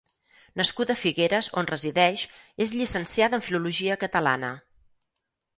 Nascuda a Figueres, on resideix, és llicenciada en Filologia Catalana.